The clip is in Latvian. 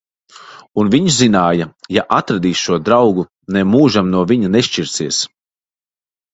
Un viņš zināja: ja atradīs šo draugu, nemūžam no viņa nešķirsies.